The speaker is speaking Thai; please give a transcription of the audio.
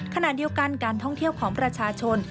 ขณะเดียวกันการท่องเที่ยวของประชาชน